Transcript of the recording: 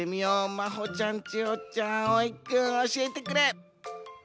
まほちゃん・ちほちゃん・あおいくんおしえてくれ。